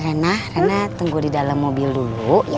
rena rena tunggu di dalam mobil dulu ya